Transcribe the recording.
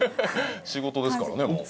仕事ですからねもう。